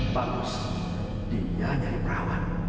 bagus dia nyari perawan